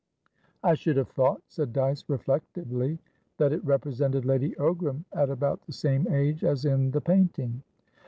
"I should have thought," said Dyce, reflectively, "that it represented Lady Ogram at about the same age as in the painting."